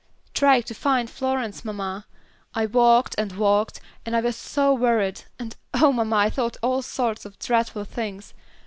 "Trying to find Florence, mamma. I walked and walked, and I was so worried, and oh, mamma, I thought all sorts of dreadful things.